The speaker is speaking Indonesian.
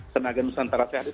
tenaga nusantara sehat